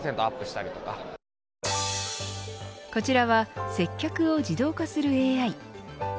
こちらは接客を自動化するＡＩ。